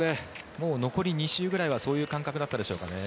もう残り２周ぐらいはそういう感覚だったでしょうね。